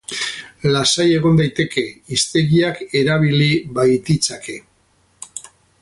Lasai egon daiteke, hiztegiak erabili baititzake.